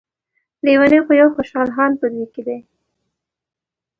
لیونی خو يو خوشحال خان په دوی کې دی.